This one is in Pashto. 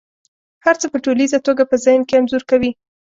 هر څه په ټوليزه توګه په ذهن کې انځور کوي.